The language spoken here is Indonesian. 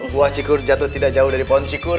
buah cikur jatuh tidak jauh dari pohon cikur